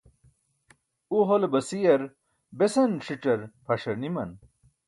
u hole basiyar besan ṣic̣ar phaṣar niman